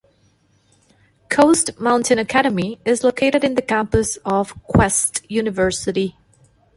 Coast Mountain Academy is located in the campus of Quest University.